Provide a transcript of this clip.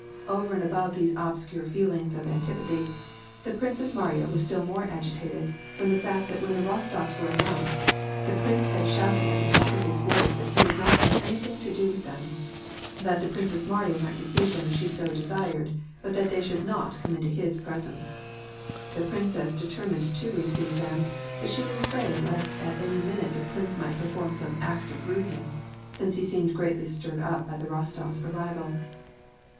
Over and 884 WAR AND PEACE. above these obscure feelings of antipathy, the Princess Mariya was still more agitated, from the fact that when the Bostofs were announced the prince had shouted at the top of his voice that he would not have anything to do with them ; that the Princess Mariya might receive them if she so desired, but that they should not come into his presence. The princess deter mined to receive them, but she was afraid lest at any minute the prince might perform some act of rudeness, since he seemed greatly stirred up by the Rostofs' arrival.